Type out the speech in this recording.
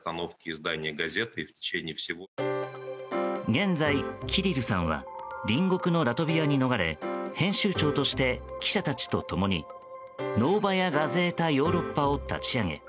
現在、キリルさんは隣国のラトビアに逃れ編集長として、記者たちと共にノーバヤ・ガゼータ・ヨーロッパを立ち上げ